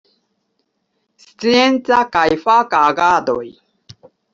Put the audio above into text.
Scienca kaj faka agadoj.